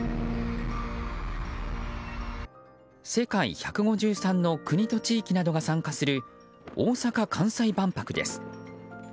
世界１５３の国と地域などが参加する大阪・関西万博です。